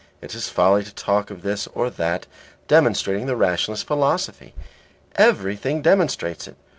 It is folly to talk of this or that demonstrating the rationalist philosophy. Everything demonstrates it.